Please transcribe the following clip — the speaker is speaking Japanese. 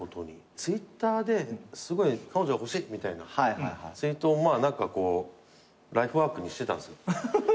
Ｔｗｉｔｔｅｒですごい「彼女が欲しい」みたいなツイートを何かこうライフワークにしてたんですよ。